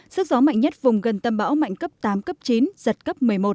sức gió mạnh nhất vùng gần tâm bão mạnh cấp tám cấp chín giật cấp một mươi một